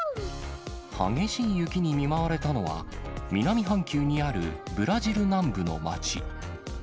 激しい雪に見舞われたのは、南半球にあるブラジル南部の町。